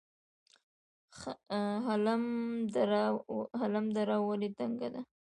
خلم دره ولې تنګه ده؟